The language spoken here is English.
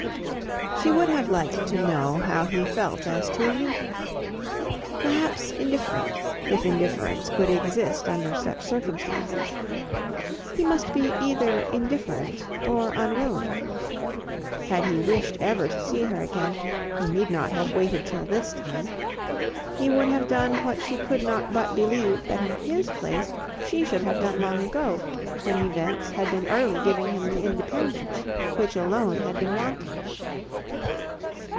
She would have liked to know how he felt as to a meeting. Perhaps indifferent, if indifference could exist under such circumstances. He must be either indifferent or unwilling. Had he wished ever to see her again, he need not have waited till this time; he would have done what she could not but believe that in his place she should have done long ago, when events had been early giving him the independence which alone had been wanting.